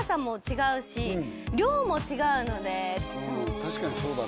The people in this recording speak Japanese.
確かにそうだね。